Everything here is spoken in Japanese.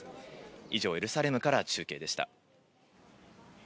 以上、エルサレムから中継でした。